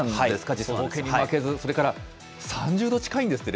時差ぼけに負けず、それから３０度近いんですって？